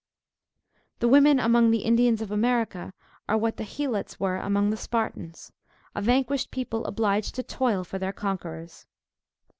The women among the Indians of America are what the Helots were among the Spartans, a vanquished people obliged to toil for their conquerors.